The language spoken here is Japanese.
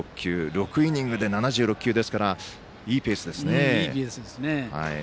６イニングで７６球ですからいいペースですね。